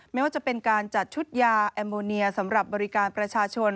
ไม่ว่าจะเป็นการจัดชุดยาแอมโมเนียสำหรับบริการประชาชน